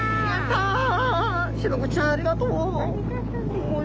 シログチちゃんありがとう。